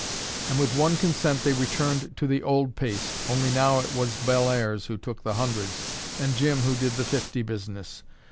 And with one consent they returned to the old pace, only now it was Bellairs who took the hundreds, and Jim who did the fifty business.